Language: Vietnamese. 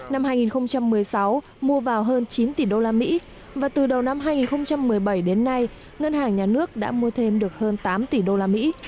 năm hai nghìn một mươi sáu mua vào hơn chín tỷ đô la mỹ và từ đầu năm hai nghìn một mươi bảy đến nay ngân hàng nhà nước đã mua thêm được hơn tám tỷ đô la mỹ